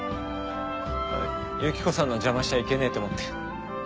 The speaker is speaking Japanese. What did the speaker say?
ユキコさんの邪魔しちゃいけねえと思って。